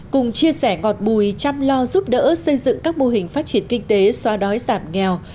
cùng chia sẻ ngọt bùi chăm lo giúp đỡ xây dựng các mô hình phát triển kinh tế xoa đói giảm nghèo